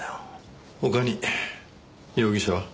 他に容疑者は？